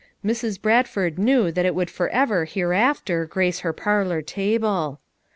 Mrs. Bradford knew that it would forever hereafter grace her parlor table.